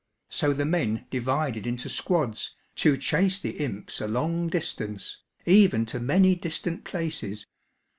So the men divided into squads, to chase the imps a long distance, even to many distant places.